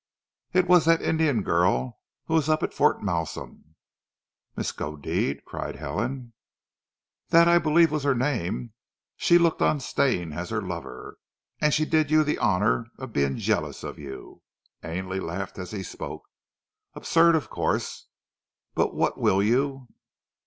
"It was that Indian girl who was up at Fort Malsun!" "Miskodeed!" cried Helen. "That I believe was her name. She looked on Stane as her lover, and she did you the honour of being jealous of you!" Ainley laughed as he spoke. "Absurd, of course But what will you?